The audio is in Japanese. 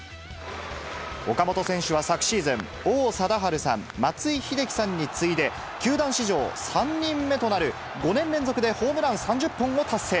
岡本選手は昨シーズン、王貞治さん、松井秀喜さんに次いで、球団史上３人目となる５年連続でホームラン３０本を達成。